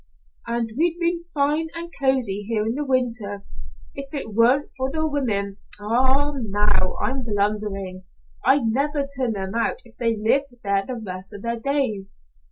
"And we'd be fine and cozy here in the winter if it wer'n't for the women a a now I'm blundering. I'd never turn them out if they lived there the rest of their days.